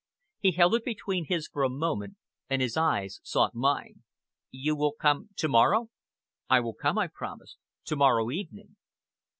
He held it between his for a moment, and his eyes sought mine. "You will come to morrow?" "I will come," I promised. "To morrow evening."